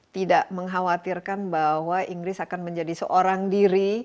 tidak mengkhawatirkan bahwa inggris akan menjadi seorang diri